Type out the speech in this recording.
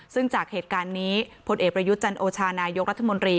ซึ่งจากเหตุการณ์นี้พลเอกประยุทธ์จันโอชานายกรัฐมนตรี